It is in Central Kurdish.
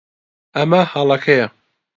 ئەمە هەڵەیەکە.